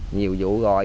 nhiều vụ rồi